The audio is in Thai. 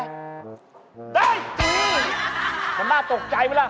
สัมมากลับตกใจมั้ยล่ะ